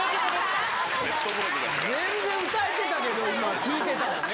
全然歌えてたけど、聴いてたらね。